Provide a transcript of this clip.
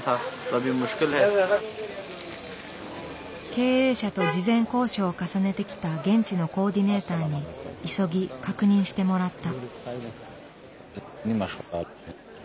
経営者と事前交渉を重ねてきた現地のコーディネーターに急ぎ確認してもらった。